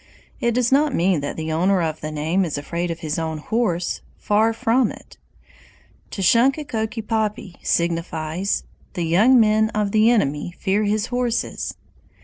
It does not mean that the owner of the name is afraid of his own horse far from it! Tashunkekokipapi signifies "The young men [of the enemy] fear his horses."